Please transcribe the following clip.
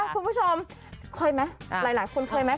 คุณผู้ชมเคยไหมหลายคนเคยไหม